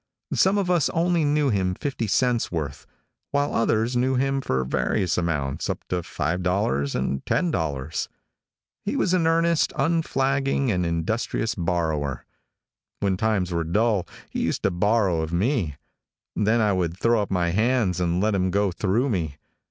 Some of us only knew him fifty cents worth, while others knew him for various amounts up to $5 and $10. He was an earnest, unflagging and industrious borrower. When times were dull he used to borrow of me. Then I would throw up my hands and let him go through me.